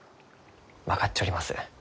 分かっちょります。